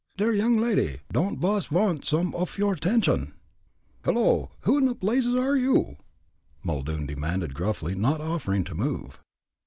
"Der young lady don'd vas vant some off your attention." "Hello! who in blazes are you?" Muldoon demanded, gruffly, not offering to move.